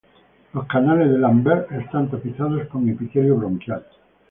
Los canales de Lambert están tapizados con epitelio bronquial.